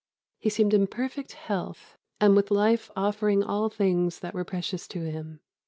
He seemed in perfect health, and with life offering all things that were precious to him."